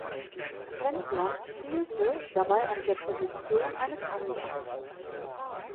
Pentland spielte dabei auf der Position eines Angreifers.